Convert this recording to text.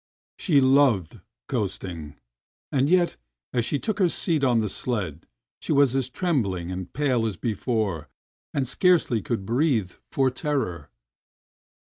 '*" She "loved" coasting, and yet, as she took her seat on the sled, she was as trembUng and pale as before and scarcely could breathe for terror